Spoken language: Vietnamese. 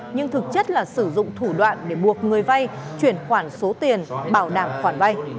nhưng thực chất là sử dụng thủ đoạn để buộc người vay chuyển khoản số tiền bảo đảm khoản vay